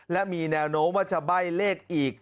และมีแนวโน้มว่าจะใบ้เลขอีก